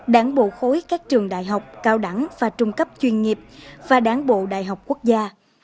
đảng bộ khối các trường đại học cao đẳng và trung cấp chuyên nghiệp và đáng bộ đại học quốc gia